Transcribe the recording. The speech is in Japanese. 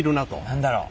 何だろう。